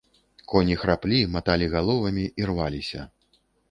Коні храплі, маталі галовамі, ірваліся.